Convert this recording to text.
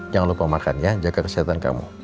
jangan lupa makan ya jaga kesehatan kamu